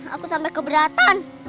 aku sampai keberatan